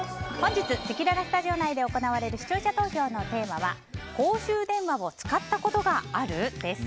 せきららスタジオ内で行われる視聴者投票のテーマは公衆電話を使ったことがある？です。